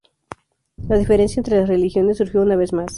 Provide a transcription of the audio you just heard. La diferencia entre las religiones surgió una vez más.